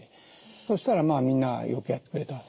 そしたらみんなよくやってくれた。